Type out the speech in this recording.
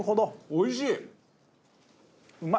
おいしい！